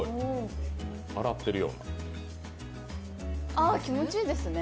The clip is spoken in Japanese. あ、気持ちいいですね。